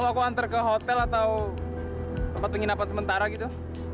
aku antar ke hotel atau tempat penginapan sementara gitu